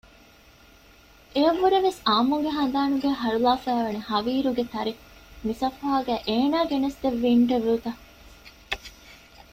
އެއަށް ވުރެ ވެސް އާއްމުންގެ ހަނދާނުގައި ހަރުލާފައިވަނީ ހަވީރުގެ ތަރި މި ސަފުހާގައި އޭނާ ގެނެސްދެއްވި އިންޓަވިއުތައް